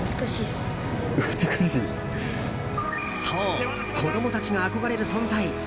そう、子供たちが憧れる存在。